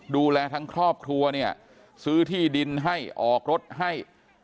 ดูแลทั้งครอบครัวเนี่ยซื้อที่ดินให้ออกรถให้